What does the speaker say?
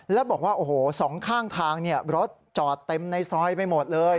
แล้วบอกว่าโอ้โหสองข้างทางรถจอดเต็มในซอยไปหมดเลย